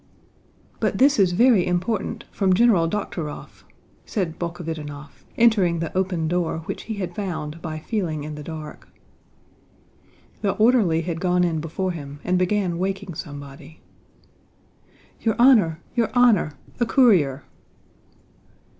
"But this is very important, from General Dokhtúrov," said Bolkhovítinov, entering the open door which he had found by feeling in the dark. The orderly had gone in before him and began waking somebody. "Your honor, your honor! A courier."